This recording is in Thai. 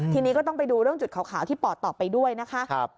ทีนี้ก็ต้องไปดูเรื่องจุดขาวที่ปอดต่อไปด้วยนะคะ